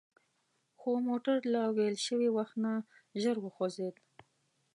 خو موټر له ویل شوي وخت نه ژر وخوځید.